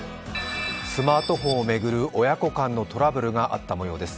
スマートフォンを巡る親子間のトラブルがあったようです。